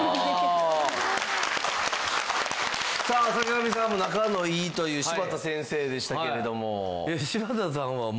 さあ坂上さんも仲のいいという柴田先生でしたけれども。